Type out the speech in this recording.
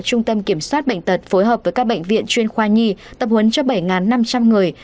trung tâm kiểm soát bệnh tật phối hợp với các bệnh viện chuyên khoa nhi tập huấn cho bảy năm trăm linh người